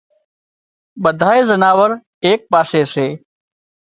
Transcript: ٻڌائي زناور ايڪ پاسي سي